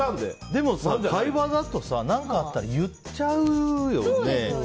でも、会話だと何かあったら言っちゃうよね。